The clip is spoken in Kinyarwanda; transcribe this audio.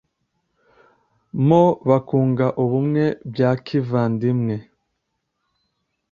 mo bakunga ubumwe bya kivandimwe.